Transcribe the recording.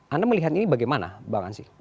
anda melihat ini bagaimana bang ansi